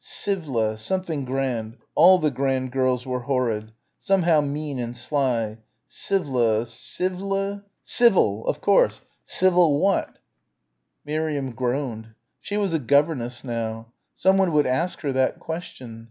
Sivvle ... something grand All the grand girls were horrid ... somehow mean and sly ... Sivvle ... Sivvle ... Civil! Of course! Civil what? Miriam groaned. She was a governess now. Someone would ask her that question.